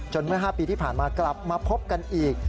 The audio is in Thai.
เมื่อ๕ปีที่ผ่านมากลับมาพบกันอีก